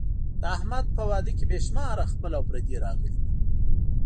د احمد په واده کې بې شماره خپل او پردي راغلي وو.